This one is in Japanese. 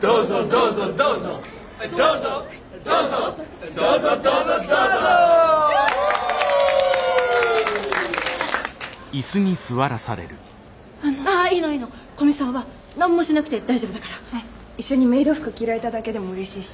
うん一緒にメイド服着られただけでもうれしいし。